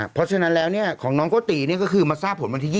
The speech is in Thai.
เพราะฉะนั้นแล้วของน้องโกติก็คือมาทราบผลวันที่๒